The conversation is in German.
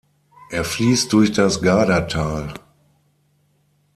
Er fließt durch das Gadertal.